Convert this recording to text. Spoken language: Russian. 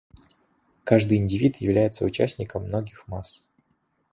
Каждый индивид является участником многих масс.